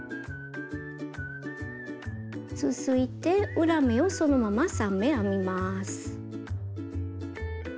続いて裏目をそのまま３目編みます。